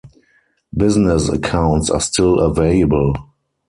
Business accounts are still available.